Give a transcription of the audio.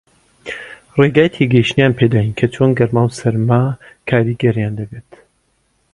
ڕێگای تێگەیشتنیان پێ داین کە چۆن گەرما و سارما کاریگەرییان دەبێت